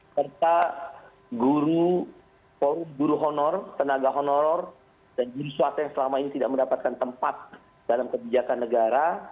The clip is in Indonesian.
serta guru honor tenaga honor dan guru swasta yang selama ini tidak mendapatkan tempat dalam kebijakan negara